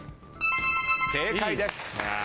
正解です。